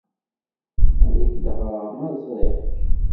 Ad ak-d-ɣreɣ, ma sriɣ-k.